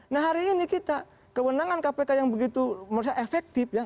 nah hari ini kita kewenangan kpk yang begitu menurut saya efektif ya